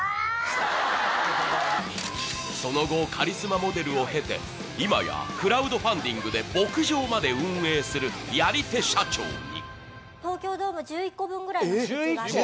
その後、カリスマモデルを経て、今やクラウドファンディングで牧場まで運営するやり手社長に。